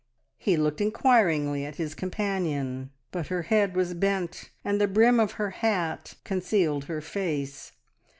He looked inquiringly at his companion, but her head was bent and the brim of her hat concealed her face.